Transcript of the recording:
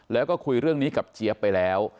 แล้วก็คุยเรื่องนี้กับเจี๊ยบไปแล้ว